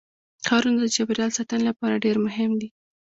ښارونه د چاپیریال ساتنې لپاره ډېر مهم دي.